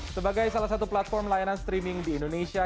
sebagai salah satu platform layanan streaming di indonesia